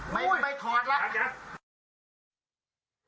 ไม่ถอดละ